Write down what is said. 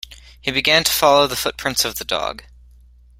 He began to follow the footprints of the dog.